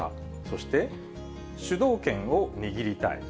そして主導権を握りたい。